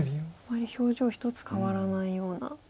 あまり表情ひとつ変わらないような。